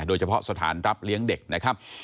โดยเฉพาะสถานรับเลี้ยงเด็กนะครับ